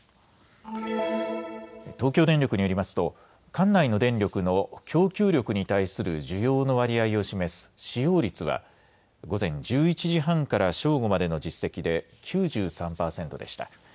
東京電力によりますと管内の電力の供給力に対する需要の割合を示す使用率は午前１１時半から正午までの実績で９３％でした。